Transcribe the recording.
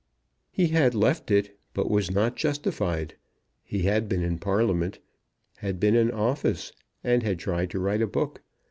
He had left it, but was not justified. He had been in Parliament, had been in office, and had tried to write a book.